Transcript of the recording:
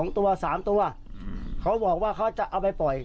๒ตัว๓ตัวเขาบอกว่าเขาจะเอาไปปล่อย